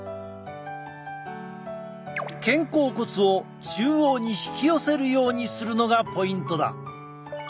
肩甲骨を中央に引き寄せるようにするのがポイントだ。